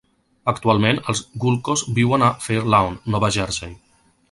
Actualment els gulkos viuen a Fair Lawn, Nova Jersey.